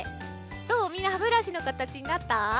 どうみんな歯ブラシのかたちになった？